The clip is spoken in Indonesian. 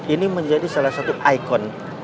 ini menjadi salah satu ikon